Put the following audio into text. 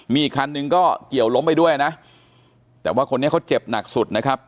มีอีกคันนึงก็เกี่ยวล้มไปด้วยนะแต่ว่าคนนี้เขาเจ็บหนักสุดนะครับ